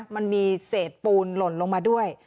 มันมีเศษปูนหล่นลงมาด้วย